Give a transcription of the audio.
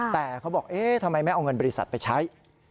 แต่เค้าบอกทำไมแม้เอาเงินบริษัทไปใช้